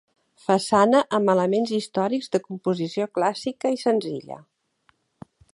Façana amb elements històrics de composició clàssica i senzilla.